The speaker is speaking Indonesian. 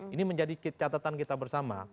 ini menjadi catatan kita bersama